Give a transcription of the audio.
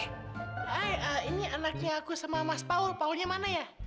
hai ini anaknya aku sama mas paul paulnya mana ya